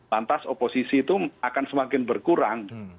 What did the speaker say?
lantas oposisi itu akan semakin berkurang